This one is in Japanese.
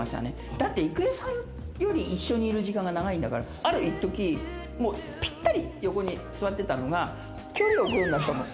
だって、郁恵さんより一緒にいる時間が長いんだから、あるいっとき、もうぴったり横に座ってたのが、距離を置くようになったの。